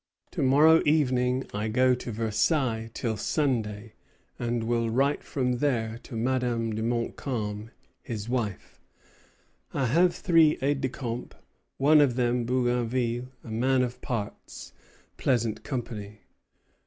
To morrow evening I go to Versailles till Sunday, and will write from there to Madame de Montcalm [his wife]. I have three aides de camp; one of them, Bougainville, a man of parts, pleasant company.